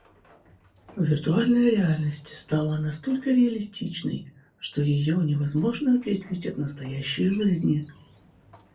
Виртуальная реальность стала настолько реалистичной, что ее невозможно отличить от настоящей жизни.